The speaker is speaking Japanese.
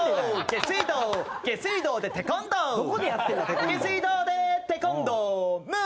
下水道でテコンドー！